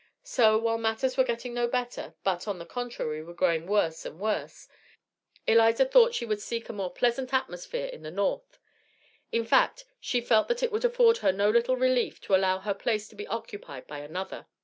So, while matters were getting no better, but, on the contrary, were growing worse and worse, Eliza thought she would seek a more pleasant atmosphere in the North. In fact she felt that it would afford her no little relief to allow her place to be occupied by another.